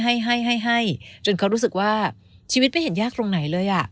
เรารู้สึกว่าชีวิตไม่เห็นยากตรงไหนเลย